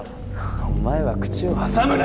お前は口を挟むな！